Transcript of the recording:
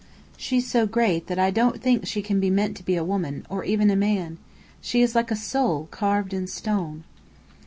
She's so great that I don't think she can be meant to be a woman or even a man. She is like a soul carved in stone."